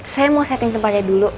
saya mau setting tempatnya dulu